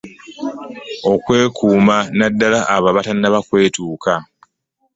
Okwekuuma naddala abo abatannaba kwetuuka.